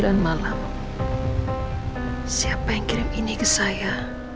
jangan lupa like share dan subscribe ya